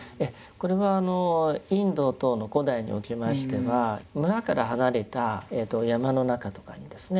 これはインド等の古代におきましては村から離れた山の中とかにですね